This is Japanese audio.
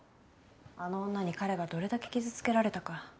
あの女に彼がどれだけ傷つけられたか。